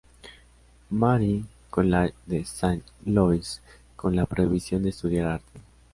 Mary's College de Saint Louis con la prohibición de estudiar arte.